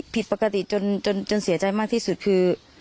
ผิดปกติจนเสียใจมากที่สุดคือ